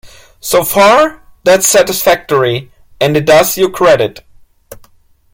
So far that's satisfactory, and it does you credit.